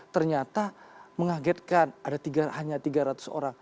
ternyata mengagetkan ada hanya tiga ratus orang